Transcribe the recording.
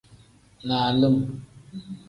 Nalim.